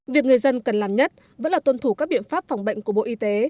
việc người dân cần làm nhất vẫn là tuân thủ các biện pháp phòng bệnh của bộ y tế